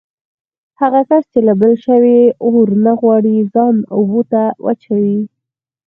هغه کس چې له بل شوي اور نه غواړي ځان اوبو ته واچوي.